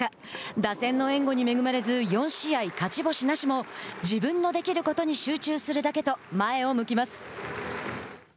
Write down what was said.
打線の援護に恵まれず４試合勝ち星なしも自分のできることに集中するだけと前を向きます。